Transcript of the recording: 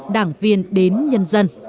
đảng viên đến nhân dân